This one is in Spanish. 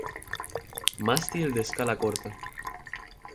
Mástil de escala corta.